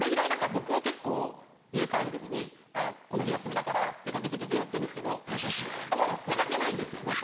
僕は結構家帰る時に「この日休みだから出掛けて来て」って言うんですけどあんまり出掛けないんですよね